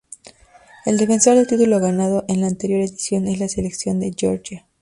El defensor del título ganado en la anterior edición es la selección de Georgia.